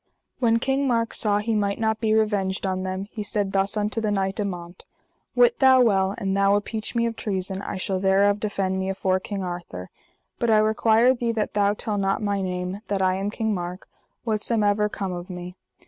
When King Mark saw he might not be revenged on them, he said thus unto the knight, Amant: Wit thou well, an thou appeach me of treason I shall thereof defend me afore King Arthur; but I require thee that thou tell not my name, that I am King Mark, whatsomever come of me.